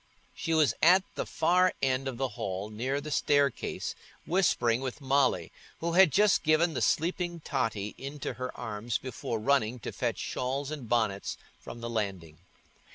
She was at the far end of the hall near the staircase, whispering with Molly, who had just given the sleeping Totty into her arms before running to fetch shawls and bonnets from the landing.